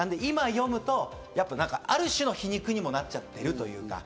なので今、読むと、ある種の皮肉にもなっちゃってる。